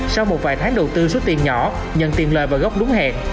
sau một vài tháng đầu tư số tiền nhỏ nhận tiền lời vào góc đúng hẹn